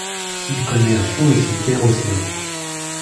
Il connaît à fond le cimetière océan.